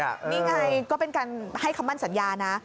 นี่ไงก็เป็นการให้คำมั่นสัญญานะ